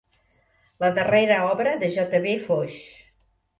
La darrera obra de J.V.Foix.